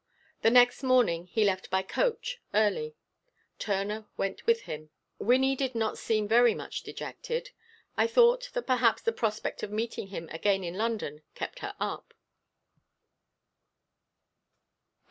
The next morning he left by the coach early. Turner went with him. Wynnie did not seem very much dejected. I thought that perhaps the prospect of meeting him again in London kept her up.